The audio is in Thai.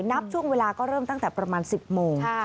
นับช่วงเวลาก็เริ่มตั้งแต่ประมาณ๑๐โมง